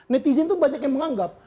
netizen itu banyak yang menganggap